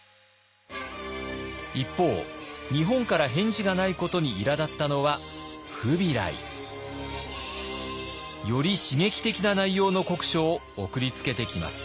一方日本から返事がないことにいらだったのはフビライ。より刺激的な内容の国書を送りつけてきます。